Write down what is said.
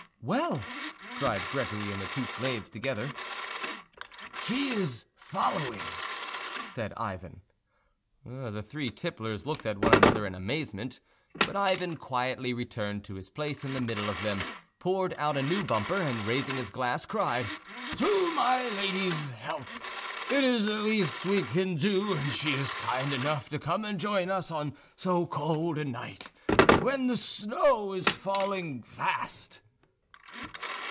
"Well!" cried Gregory and the two slaves together. "She is following," said Ivan. The three tipplers looked at one another in amazement, but Ivan quietly returned to his place in the middle of them, poured out a new bumper, and raising his glass, cried— "To my lady's health! It is the least we can do when she is kind enough to come and join us on so cold a night, when the snow is falling fast."